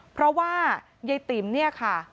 เพราะว่ายายติ๋มเนี่ยค่ะ